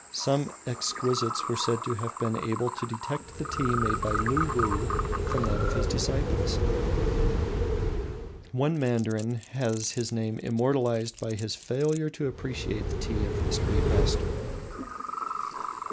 Some exquisites were said to have been able to detect the tea made by Luwuh from that of his disciples. One mandarin has his name immortalised by his failure to appreciate the tea of this great master.